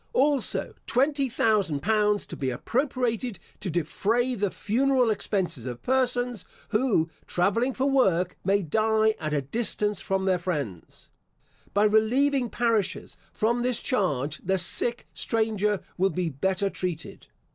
Also twenty thousand pounds to be appropriated to defray the funeral expenses of persons, who, travelling for work, may die at a distance from their friends. By relieving parishes from this charge, the sick stranger will be better treated.